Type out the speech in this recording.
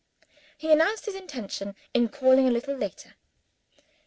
He had announced his intention of calling a little later.